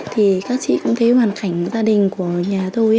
thì các chị cũng thấy hoàn cảnh gia đình của nhà tôi